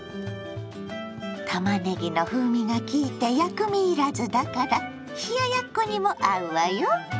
たまねぎの風味が効いて薬味いらずだから冷ややっこにも合うわよ。